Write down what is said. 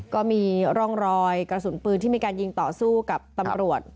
ก็มีร่องรอยกระสุนปืนที่มีการยิงต่อสู้กับตำรวจ